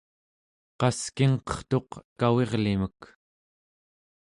qaskingqertuq kavirlimek